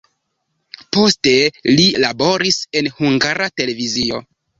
Poste li laboris en Hungara Televizio.